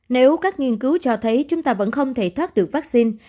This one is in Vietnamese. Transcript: nếu các nghiên cứu cho thấy chúng ta vẫn không thể thoát được vaccine